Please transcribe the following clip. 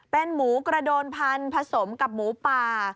เป็นหมูกระโดนพันธุ์ผสมกับหมูป่า